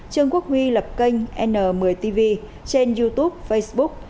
trương quốc huy lập kênh n một mươi tv trên youtube facebook